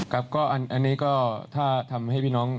ครับก็อันนี้ก็ถ้าทำให้พี่น้อง